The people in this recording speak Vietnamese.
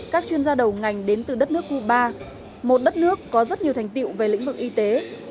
các chuyên gia đầu ngành đến từ đất nước cuba một đất nước có rất nhiều thành tiệu về lĩnh vực y tế